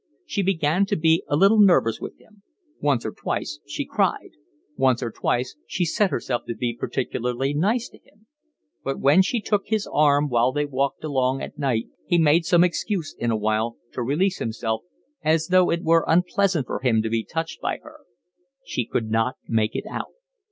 She began to be a little nervous with him. Once or twice she cried. Once or twice she set herself to be particularly nice to him; but when she took his arm while they walked along the front at night he made some excuse in a while to release himself, as though it were unpleasant for him to be touched by her. She could not make it out.